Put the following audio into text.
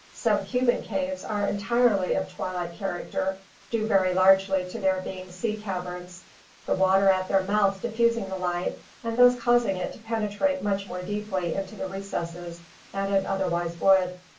Some Cuban caves are entirely of twilight character, due very largely to their being sea caverns, the water at their mouth diffusing the light and thus causing it to penetrate much more deeply into the recesses than it otherwise would.